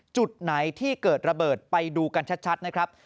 จุดไหนที่เกิดระเบิดไปดูกันชัดนะครับ